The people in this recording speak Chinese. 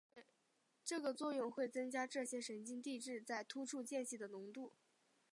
这个作用会增加这些神经递质在突触间隙的浓度。